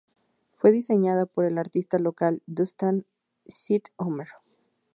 Fue diseñada por el artista local Dunstan St Omer.